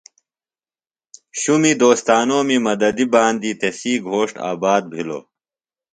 شُمی دوستانومیۡ مددی باندیۡ تسیۡ گھوݜٹ آباد بِھلوۡ۔